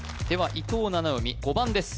伊藤七海５番です